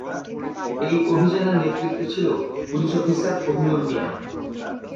এই অভিযানের নেতৃত্বে ছিল পুলিশ অফিসার কোহিনূর মিয়া।